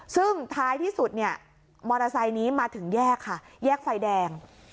ซึ่งท้ายที่สุดเนี่ยมอเตอร์ไซค์นี้มาถึงแยกค่ะแยกไฟแดง